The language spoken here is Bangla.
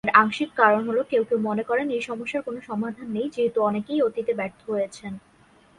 এর আংশিক কারণ হল কেউ কেউ মনে করেন এই সমস্যার কোন সমাধান নেই, যেহেতু অনেকেই অতীতে ব্যর্থ হয়েছেন।